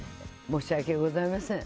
申し訳ございません。